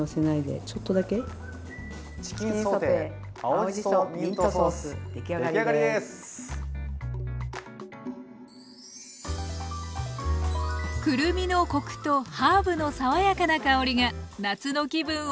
くるみのコクとハーブの爽やかな香りが夏の気分を盛り上げます。